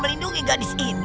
memutuskan gadis tidur